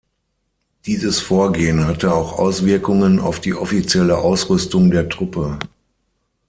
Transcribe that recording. Dieses Vorgehen hatte auch Auswirkungen auf die offizielle Ausrüstung der Truppe.